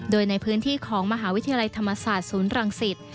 โดยในพื้นที่ของมหาวิทยาลัยธรรมศาสตร์ศูนย์รังสิต